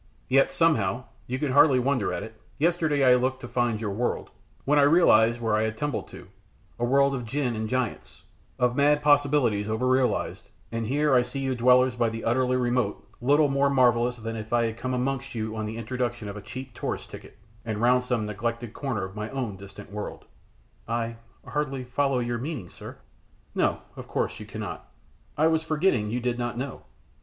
Yet, somehow you can hardly wonder at it yesterday I looked to find your world, when I realised where I had tumbled to, a world of djin and giants; of mad possibilities over realised, and here I see you dwellers by the utterly remote little more marvellous than if I had come amongst you on the introduction of a cheap tourist ticket, and round some neglected corner of my own distant world!" "I hardly follow your meaning, sir." "No, no, of course you cannot. I was forgetting you did not know!